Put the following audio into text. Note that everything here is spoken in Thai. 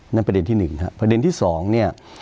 นั่นประเด็นที่หนึ่งครับประเด็นที่สองเนี่ย